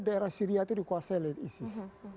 daerah syria itu dikuasai oleh isis